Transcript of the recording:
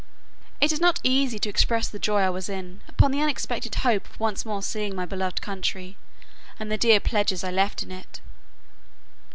It is not easy to express the joy I was in, upon the unexpected hope of once more seeing my beloved country, and the dear pledges I left in it.